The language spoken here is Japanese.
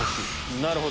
なるほど。